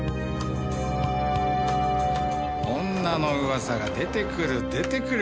女の噂が出てくる出てくる！